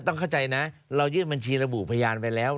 ต้องเข้าใจนะเรายื่นบัญชีระบุพยานไปแล้ว